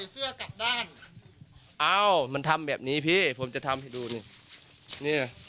เสื้อกลับบ้านอ้าวมันทำแบบนี้พี่ผมจะทำให้ดูนี่เนี่ย